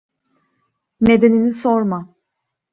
Nedenini sorma.